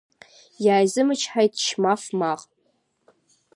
Иааизымчаҳит Шьмаф Маӷ.